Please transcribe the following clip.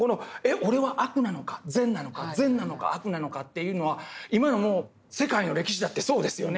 俺は悪なのか善なのか善なのか悪なのかというのは今の世界の歴史だってそうですよね。